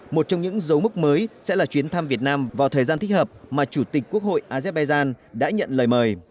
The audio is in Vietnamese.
một trong những dấu mốc mới sẽ là chuyến thăm việt nam vào thời gian thích hợp mà chủ tịch quốc hội azerbaijan đã nhận lời mời